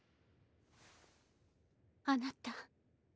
あなた。